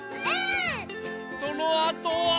そのあとは。